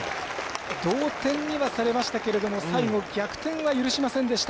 同点にはされましたけど最後、逆転は許しませんでした。